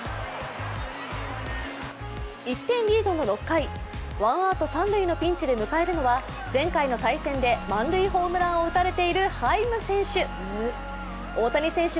１点リードの６回、ワンアウト三塁のピンチで迎えるのは、前回の対戦で満塁ホームランを打たれているハイム選手。